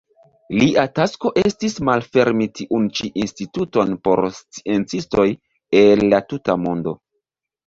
Lia tasko estis malfermi tiun ĉi instituton por sciencistoj el la tuta mondo.